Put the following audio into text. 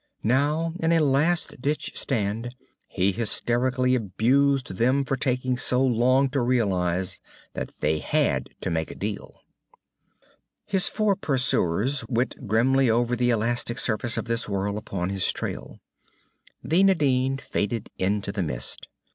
Now in a last ditch stand, he hysterically abused them for taking so long to realize that they had to make a deal. His four pursuers went grimly over the elastic surface of this world upon his trail. The Nadine faded into the mist.